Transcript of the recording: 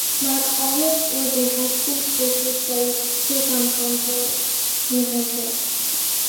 McAuliffe was a high school social studies teacher from Concord, New Hampshire.